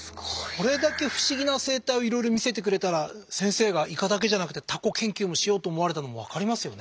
これだけ不思議な生態をいろいろ見せてくれたら先生がイカだけじゃなくてタコ研究もしようと思われたのも分かりますよね。